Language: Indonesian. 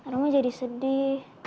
rama jadi sedih